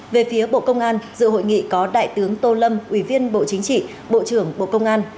về phía bộ công an dự hội nghị có đại tướng tô lâm ủy viên bộ chính trị bộ trưởng bộ công an